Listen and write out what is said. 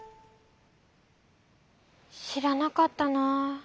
しらなかったな。